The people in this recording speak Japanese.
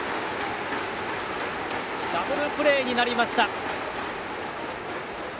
ダブルプレーになりました。